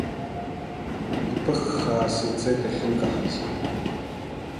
Иԥыххааса ицеит иахьынкаҳаз.